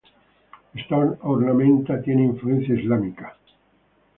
Esta ornamenta tiene influencia islámica.